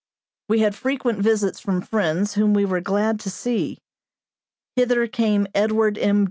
We had frequent visits from friends whom we were glad to see. Hither came Edward M.